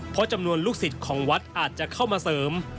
เพราะจำนวนลูกศิษย์ของวัดอาจจะเข้ามาเสริม